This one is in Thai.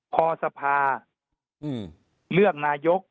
พอสภาเลือกนายกพอสภาเลือกนายก